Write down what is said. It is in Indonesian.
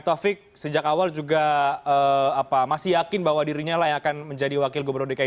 taufik sejak awal juga masih yakin bahwa dirinya lah yang akan menjadi wakil gubernur dki